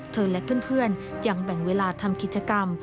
และเพื่อนยังแบ่งเวลาทำกิจกรรม